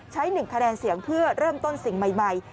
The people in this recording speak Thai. ๑คะแนนเสียงเพื่อเริ่มต้นสิ่งใหม่